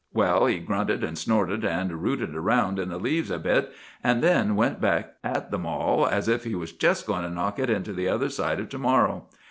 Well, he grunted and snorted, and rooted around in the leaves a bit, and then went back at the mall as if he was just going to knock it into the other side of to morrow.